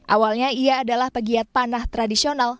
awalnya ia adalah pegiat panah tradisional